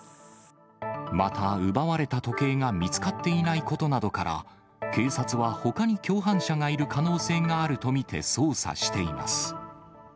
また、奪われた時計が見つかっていないことなどから、警察はほかに共犯者がいる可能性があると見て、捜査しています。